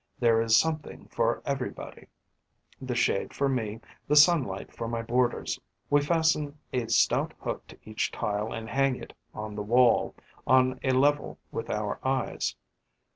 There is something for everybody: the shade for me, the sunlight for my boarders. We fasten a stout hook to each tile and hang it on the wall, on a level with our eyes.